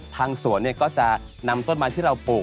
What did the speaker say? ทางสวนก็จะนำต้นไม้ที่เราปลูก